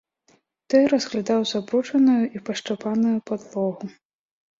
Той разглядаў забруджаную і пашчапаную падлогу.